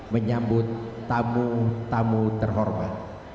menyambut tamu tamu terhormat